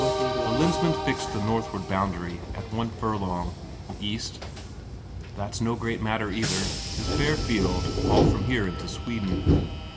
The Lensmand fixed the northward boundary at one furlong. "East?" "That's no great matter either. 'Tis bare field all from here into Sweden."